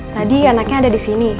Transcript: tadi anaknya ada di sini